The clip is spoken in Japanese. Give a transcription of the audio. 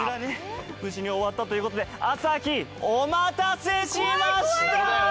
無事に終わったということで朝日お待たせしました！